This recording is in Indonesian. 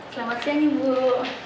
selamat siang ibu